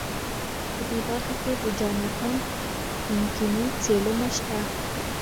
په دې برخه کې د جاناتان پینکني څېړنه شته.